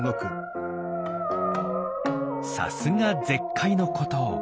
さすが絶海の孤島。